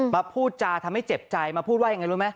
พูดจาทำให้เจ็บใจมาพูดว่ายังไงรู้ไหม